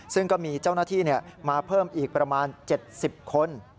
ซึ่งก็มีเจ้าหน้าที่มาเพิ่มอีกประมาณ๗๐คน